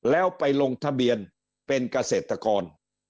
แล้วไปลงทะเบียนเป็นเกษตรกร